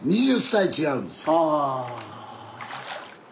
２０歳違うんです。